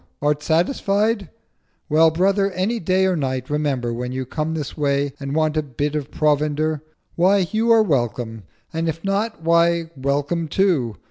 — Art satisfied? Well, Brother, any Day Or Night, remember, when you come this Way And want a bit of Provender—why, you Are welcome, and if not—why, welcome too.'